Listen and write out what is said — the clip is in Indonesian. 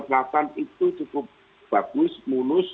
selatan itu cukup bagus mulus